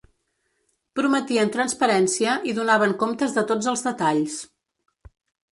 Prometien transparència i donaven comptes de tots els detalls.